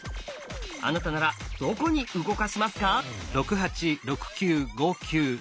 あなたならどこに動かしますか？